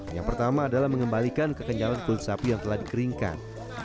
yang pertama adalah mengembalikan kekenyalan kulit sapi yang telah dikeringkan